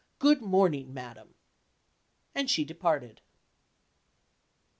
Good morning, madam," and she departed.